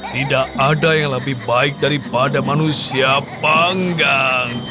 tidak ada yang lebih baik daripada manusia panggang